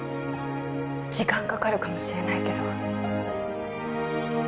時間かかるかもしれないけど